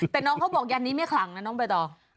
แต่น้องเขาบอกยันนี้ไม่ขลังนะน้องใบตอง